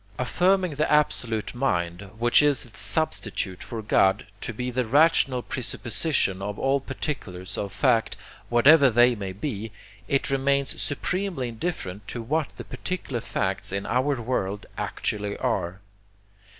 Affirming the Absolute Mind, which is its substitute for God, to be the rational presupposition of all particulars of fact, whatever they may be, it remains supremely indifferent to what the particular facts in our world actually are.